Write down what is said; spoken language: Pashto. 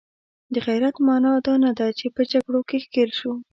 د غیرت معنا دا نه ده چې په جګړو کې ښکیل شو.